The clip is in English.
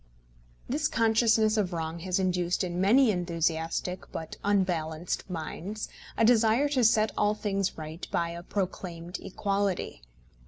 This consciousness of wrong has induced in many enthusiastic but unbalanced minds a desire to set all things right by a proclaimed equality.